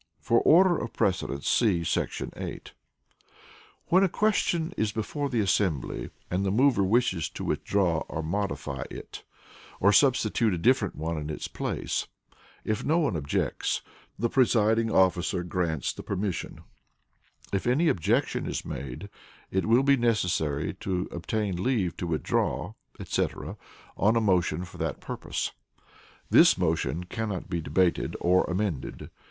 [For order of precedence, see § 8.] When a question is before the assembly and the mover wishes to withdraw or modify it, or substitute a different one in its place, if no one objects, the presiding officer grants the permission; if any objection is made, it will be necessary to obtain leave to withdraw, etc., on a motion for that purpose. This motion cannot be debated or amended.